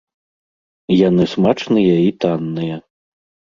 Яны смачныя і танныя.